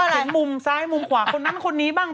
เห็นมุมซ้ายมุมขวาคนนั้นคนนี้บ้าง